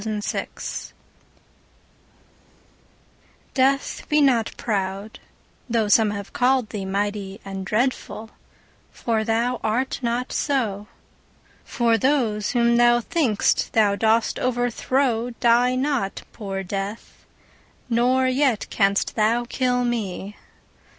Death DEATH, be not proud, though some have callèd thee Mighty and dreadful, for thou art not so: For those whom thou think'st thou dost overthrow Die not, poor Death; nor yet canst thou kill me.